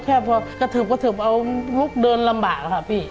แค่เพราะกระเทิบกระเทิบเอาลุกเดินลำบากครับพี่